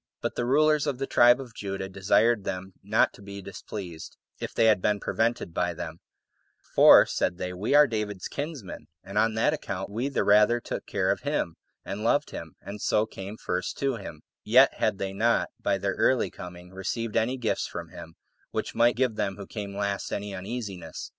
But the rulers of the tribe of Judah desired them not to be displeased, if they had been prevented by them; for, said they, "We are David's kinsmen, and on that account we the rather took care of him, and loved him, and so came first to him;" yet had they not, by their early coming, received any gifts from him, which might give them who came last any uneasiness.